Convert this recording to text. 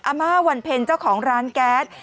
อาม่าวันเพ็ญเจ้าของร้านแก๊ส